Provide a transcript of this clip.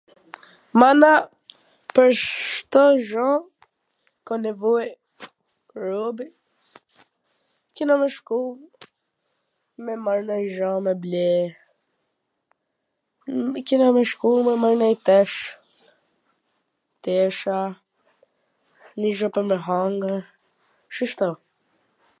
Mana, pwr Cdo gja ka nevoj robi kena me shku me marr nonj zha, me ble, kena me shku me marr nonj tesh, tesha, nji gjo pwr me hangwr, shishto.